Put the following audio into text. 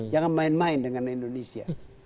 jangan main main dengan indonesia